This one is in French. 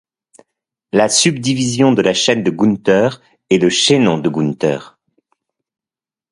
La subdivision de la chaîne de Gunter est le chaînon de Gunter.